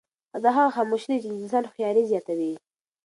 دا هغه خاموشي ده چې د انسان هوښیاري زیاتوي.